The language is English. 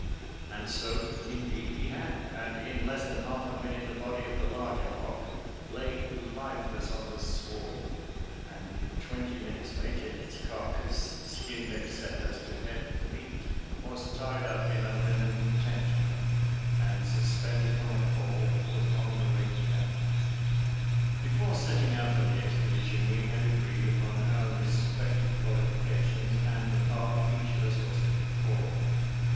And so, indeed, he had, and in less than half a minute the body of the larger hog lay lifeless on the sward, and twenty minutes later its car cass, skinned except as to head and feet, was tied up in a linen tent cloth, and, suspended from a pole, was on the way to camp. Before setting out on the expedition we had agreed upon our respective qualifications and the part each of us was to perform.